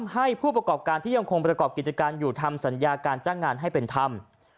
ให้ผู้ประกอบการที่ยังคงประกอบกิจการอยู่ทำสัญญาการจ้างงานให้เป็นธรรม